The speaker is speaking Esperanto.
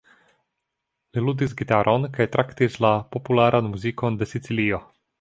Li ludis gitaron kaj traktis la popularan muzikon de Sicilio.